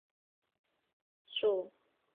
束丝菝葜为百合科菝葜属下的一个种。